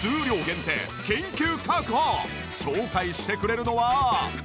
紹介してくれるのは。